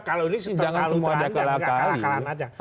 kalau ini seterak alumuan aja gak akal akalan aja